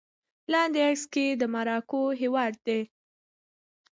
لاندې عکس کې د مراکو هېواد دی